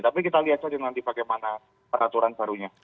tapi kita lihat saja nanti bagaimana peraturan barunya